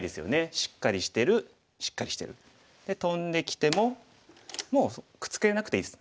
しっかりしてるしっかりしてる。でトンできてももうくっつけなくていいです。